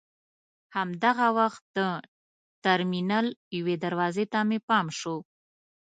همدغه وخت د ټرمینل یوې دروازې ته مې پام شو.